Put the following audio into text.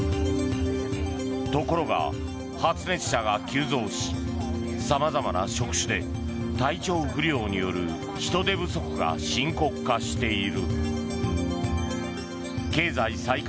ところが、発熱者が急増しさまざまな職種で体調不良による人手不足が深刻化している。